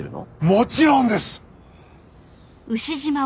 もちろんです！